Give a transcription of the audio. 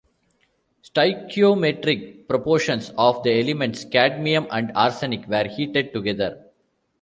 Stoichiometric proportions of the elements cadmium and arsenic were heated together.